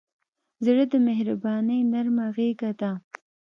زړه د مهربانۍ نرمه غېږه ده.